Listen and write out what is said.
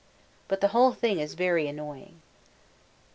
But the whole thing is very annoying.